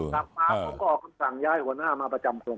สักครั้งเขาก็ออกสั่งย้ายหัวหน้ามาประจำกลม